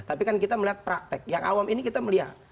tapi kan kita melihat praktek yang awam ini kita melihat